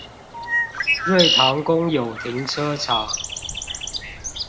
瑞塘公有停車場